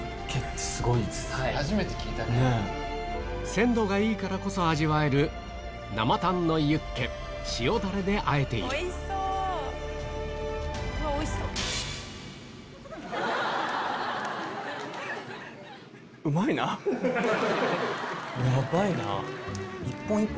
鮮度がいいからこそ味わえる生タンのユッケ塩ダレであえているヤバいな。